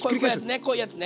こういうやつね。